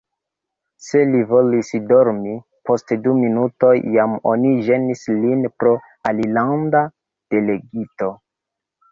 Se li volis dormi, post du minutoj jam oni ĝenis lin pro alilanda delegito.